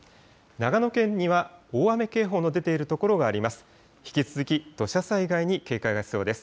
長野県には大雨警報の出ている所があります。